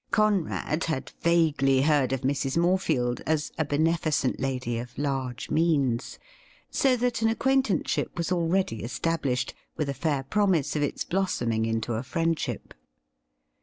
Conrad had vaguely heard of Mrs. Morefield as a benefi cent lady of large means. So that an acquaintanceship was already established, with a fair promise of its blossom ing into a friendship.